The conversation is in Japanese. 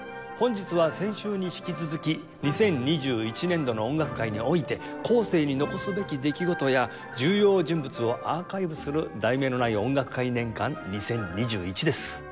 本日は先週に引き続き２０２１年度の音楽界において後世に残すべき出来事や重要人物をアーカイブする「『題名のない音楽会』年鑑２０２１」です。